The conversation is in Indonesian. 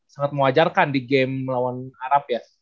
sangat mau wajarkan di game melawan arab ya